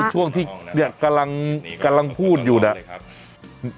ช่วงที่เนี่ยกำลังพูดอยู่เนี่ย